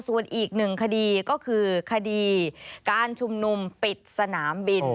ส่วนอีกหนึ่งคดีก็คือคดีการชุมนุมปิดสนามบิน